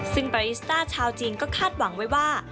ซึ่งบาริสต้าชาวจีนก็คาดหวังไว้ว่า